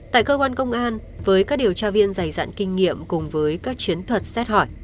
tại cơ quan công an với các điều tra viên dày dặn kinh nghiệm cùng với các chiến thuật xét hỏi